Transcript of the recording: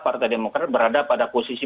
partai demokrat berada pada posisi